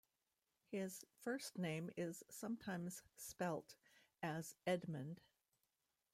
His first name is sometimes spelt as Edmond.